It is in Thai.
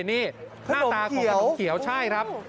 นี่หน้าตาของขนมเขียวใช่ครับ